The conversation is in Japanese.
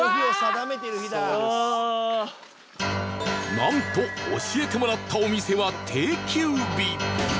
なんと教えてもらったお店は定休日